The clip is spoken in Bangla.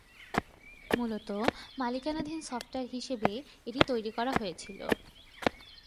মূলত মালিকানাধীন সফটওয়্যার হিসাবে এটি তৈরি করা হয়েছিল।